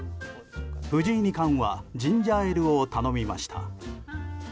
藤井二冠はジンジャーエールを頼みました。